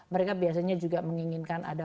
mereka biasanya juga menginginkan ada